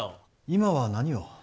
今は何を？